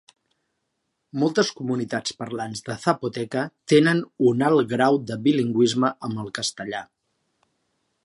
Moltes comunitats parlants de zapoteca tenen un alt grau de bilingüisme amb el castellà.